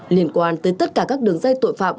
liên quan tới tất cả các đường dây tội phạm